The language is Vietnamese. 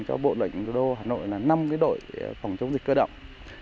cho bộ tư lệnh thủ đô hà nội là năm đội phòng chống dịch cơ động